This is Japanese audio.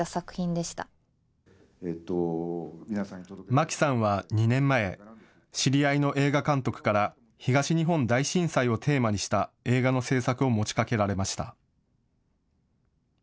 舞木さんは２年前、知り合いの映画監督から東日本大震災をテーマにした映画の製作を持ちかけられました。